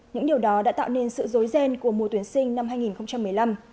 những điều đó đã tạo nên sự dối ghen của mùa tuyển sinh năm hai nghìn một mươi năm